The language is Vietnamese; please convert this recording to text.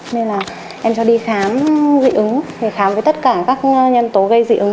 nên là em cho đi khám dị ứng khám với tất cả các nhân tố gây dị ứng